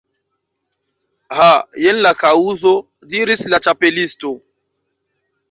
"Ha, jen la kaŭzo," diris la Ĉapelisto.